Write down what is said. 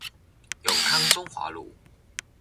永康中華路